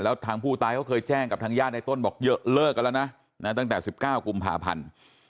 แล้วทางผู้ตายเขาเคยแจ้งกับทางญาติในต้นบอกเยอะเลิกกันแล้วนะตั้งแต่๑๙กุมภาพันธ์